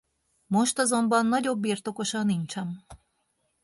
Most azonban nagyobb birtokosa nincsen.